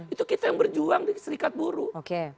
itu kita yang berjuang di serikat buruh